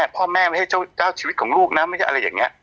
พ่อแม่ไม่ใช่เจ้าชีวิตของลูกนะไม่ใช่อะไรอย่างนี้